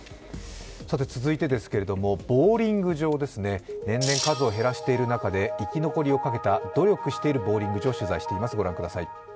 続いて、ボウリング場ですね年々、数を減らしている中で生き残りをかけた努力しているボウリング場を取材しています。